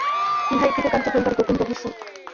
ইহাই কৃতকার্য হইবার গোপন রহস্য।